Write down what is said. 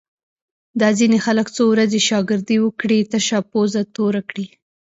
دا ځینې خلک څو ورځې شاگردي وکړي، تشه پوزه توره کړي